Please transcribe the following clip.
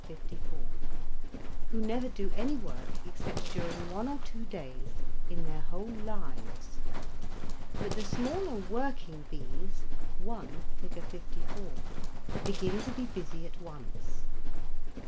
54), who never do any work except during one or two days in their whole lives. But the smaller working bees (1, Fig. 54) begin to be busy at once.